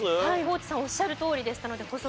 地さんおっしゃるとおりでしたので。